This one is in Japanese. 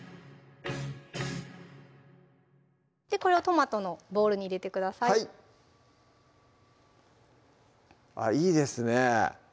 これをトマトのボウルに入れてくださいあっいいですね